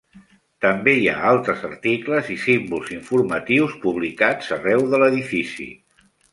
També hi ha altres articles i símbols informatius publicats arreu de l"edifici.